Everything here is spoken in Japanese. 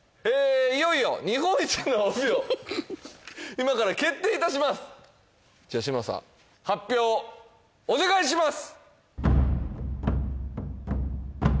いよいよ日本一の帯を今から決定いたします嶋佐さん発表をお願いします